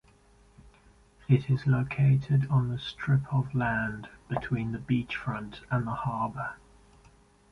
It is located on the strip of land between the beachfront and the harbour.